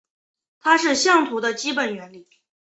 它是相图的基本原理。